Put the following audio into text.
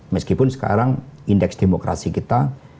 meskipun sekarang indeks demokrasi kita